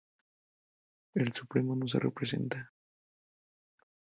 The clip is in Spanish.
El Supremo no se representa